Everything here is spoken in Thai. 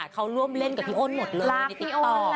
เขาร่วมเล่นกับพี่โอนหมดเลยในติ๊กตอร์